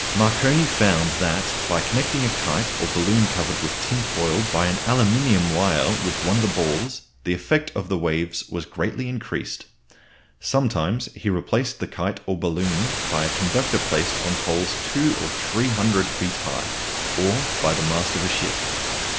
Marconi found that by connecting a kite or balloon covered with tinfoil by an aluminium wire with one of the balls, the effect of the waves was greatly increased. Sometimes he replaced the kite or balloon by a conductor placed on poles two or three hundred feet high, or by the mast of a ship.